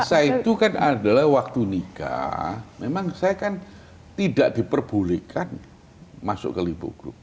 saya itu kan adalah waktu nikah memang saya kan tidak diperbolehkan masuk ke lipo group